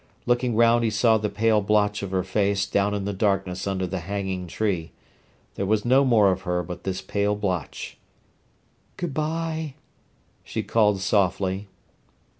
Looking round he saw the pale blotch of her face down in the darkness under the hanging tree. There was no more of her but this pale blotch. "Good bye!" she called softly.